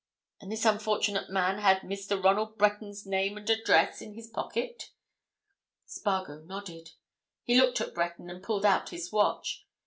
And this unfortunate man had Mr. Ronald Breton's name and address in his pocket?" Spargo nodded. He looked at Breton, and pulled out his watch.